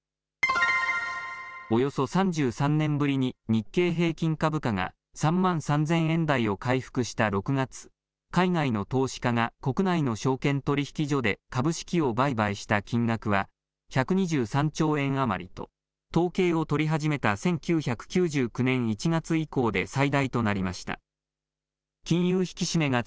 およそ３３年ぶりに日経平均株価が３万３０００円台を回復した６月、海外の投資家が国内の証券取引所で株式を売買した金額は１２３兆円余りと統計を取り始めた１９９９年１月以降で最大となりました。